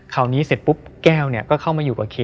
คราวนี้เสร็จปุ๊บแก้วเนี่ยก็เข้ามาอยู่กับคิว